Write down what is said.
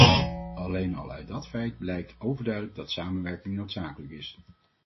Alleen al uit dat feit blijkt overduidelijk dat samenwerking noodzakelijk is.